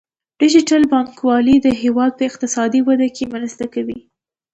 ډیجیټل بانکوالي د هیواد په اقتصادي وده کې مرسته کوي.